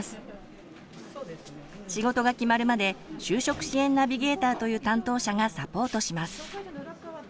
仕事が決まるまで「就職支援ナビゲーター」という担当者がサポートします。